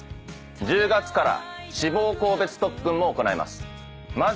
１０月から志望校別特訓も行います。